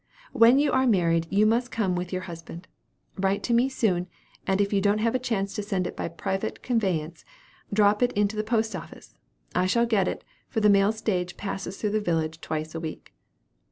When you are married, you must come with your husband. Write to me soon, and if you don't have a chance to send it by private conveyance, drop it into the post office. I shall get it, for the mail stage passes through the village twice a week.